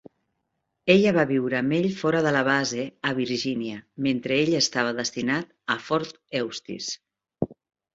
Ella va viure amb ell fora de la base a Virginia mentre ell estava destinat a Fort Eustis.